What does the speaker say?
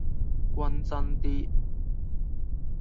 均真啲